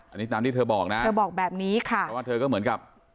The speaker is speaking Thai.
อันนี้ตามที่เธอบอกนะเธอบอกแบบนี้ค่ะเพราะว่าเธอก็เหมือนกับ